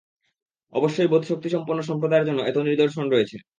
অবশ্যই বোধশক্তিসম্পন্ন সম্প্রদায়ের জন্য এতে নিদর্শন রয়েছে।